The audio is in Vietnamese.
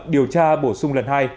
điều tra bổ sung lần hai